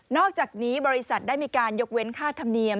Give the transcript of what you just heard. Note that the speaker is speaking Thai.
อกจากนี้บริษัทได้มีการยกเว้นค่าธรรมเนียม